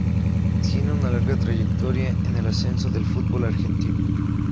Tiene una larga trayectoria en el ascenso del fútbol argentino.